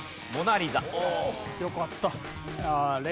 よかった。